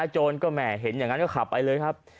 โจรก็แห่เห็นอย่างนั้นก็ขับไปเลยครับ